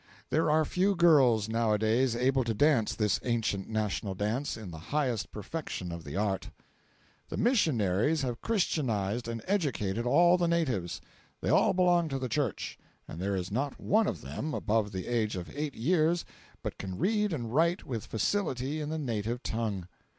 There are few girls now a days able to dance this ancient national dance in the highest perfection of the art. The missionaries have christianized and educated all the natives. They all belong to the Church, and there is not one of them, above the age of eight years, but can read and write with facility in the native tongue.